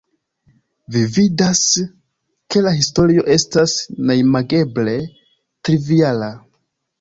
Vi vidas, ke la historio estas neimageble triviala.